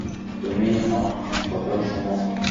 তুমি আমার মনের কথা শোন।